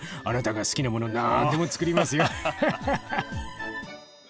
あなたが好きなものなんでもつくりますよ。